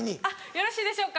よろしいでしょうか。